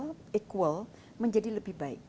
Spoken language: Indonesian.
akses yang equal menjadi lebih baik